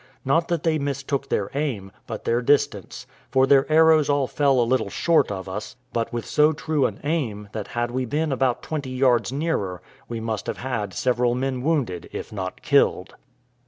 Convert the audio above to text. Not that they mistook their aim, but their distance; for their arrows all fell a little short of us, but with so true an aim, that had we been about twenty yards nearer we must have had several men wounded, if not killed.